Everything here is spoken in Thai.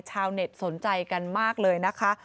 ชาวเน็ตสนใจกันมากเลยนะคะ